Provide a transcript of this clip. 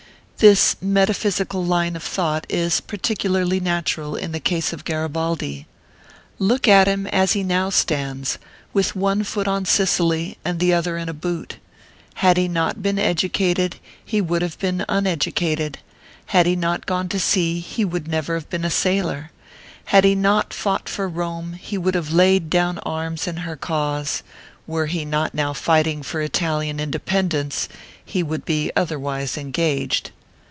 This metaphysical line of thought is particularly natural in the case of Garibaldi. Look at him as he now stands, with one foot on Sicily and the other in a boot. Had he not been educated, he would have been uneducated ; had he not gone to sea he would never have been a sailor ; had he not fought for Rome, he would have laid down arms in her cause ; were he not now fighting for Italian independence, he would be otherwise engaged